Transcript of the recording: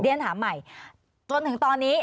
เรียนถามใหม่จนถึงตอนนี้